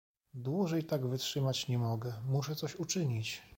"dłużej tak wytrzymać nie mogę: muszę coś uczynić!"